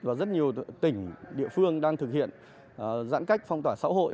và rất nhiều tỉnh địa phương đang thực hiện giãn cách phong tỏa xã hội